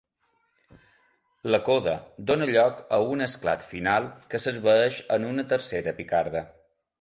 La coda dóna lloc a un esclat final, que s'esvaeix en una tercera picarda.